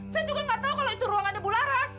saya juga nggak tahu kalau itu ruang ada bularas